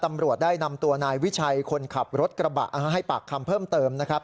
ตำรวจได้นำตัวนายวิชัยคนขับรถกระบะให้ปากคำเพิ่มเติมนะครับ